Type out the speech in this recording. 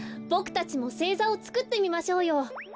ボクたちもせいざをつくってみましょうよ。